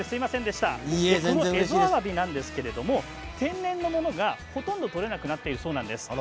エゾアワビなんですけれど天然のものが、ほとんど取れなくなっているそうなんです。